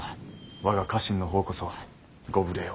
我が家臣の方こそご無礼を。